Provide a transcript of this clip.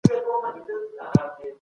ګلالۍ